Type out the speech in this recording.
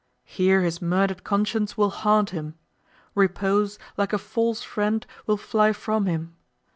Here his murdered conscience will haunt him. Repose, like a false friend, will fly from him.